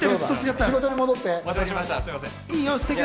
仕事に戻ってね。